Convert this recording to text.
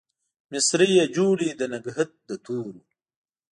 مسرۍ يې جوړې د نګهت د تورو